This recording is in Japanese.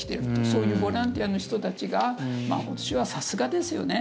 そういうボランティアの人たちが今年は、さすがですよね